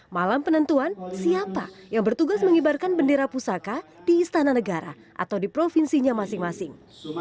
malam penentuan siapa yang bertugas mengibarkan bendera pusaka di istana negara atau di provinsinya masing masing